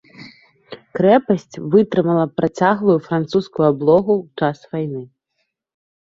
Крэпасць вытрымала працяглую французскую аблогу ў час вайны.